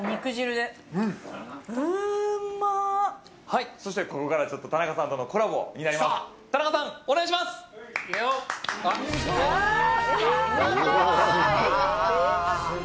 はい、そしてここから、ちょっと田中さんとのコラボになります。